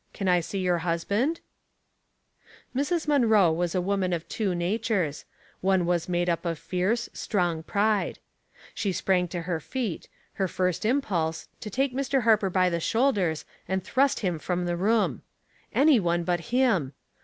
Can I see your husband ?" Mrs. Munroe was a woman of two natures — 2&6 Household Puzzles. one was made up of fierce, strong pride. She sprang to her feet, her first impulse, to take Mr. Harper by the shoulders and thrust him from the room. Anyone but him